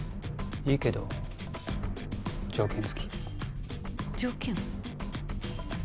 いいけど条件付き。条件？